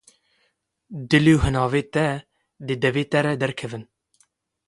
Dil û hinavên te di devê te re derkevin.